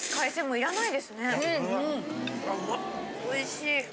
おいしい！